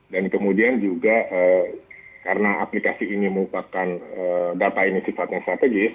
dan kemudian juga karena aplikasi ini merupakan data ini sifatnya strategis